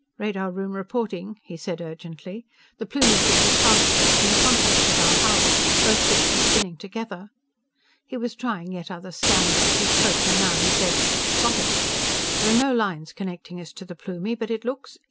"Radar room reporting," he said urgently. "The Plumie ship is fast to us, in contact with our hull! Both ships are spinning together!" He was trying yet other scanners as he spoke, and now he said: "Got it! There are no lines connecting us to the Plumie, but it looks